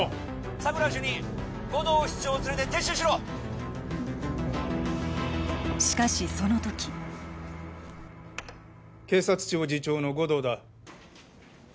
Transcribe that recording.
佐久良主任護道室長を連れて撤収しろしかしその時警察庁次長の護道だ